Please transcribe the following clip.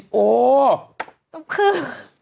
ก็คือ